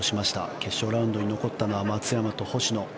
決勝ラウンドに残ったのは松山と星野。